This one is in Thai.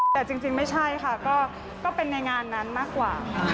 แต่จริงไม่ใช่ค่ะก็เป็นในงานนั้นมากกว่าค่ะ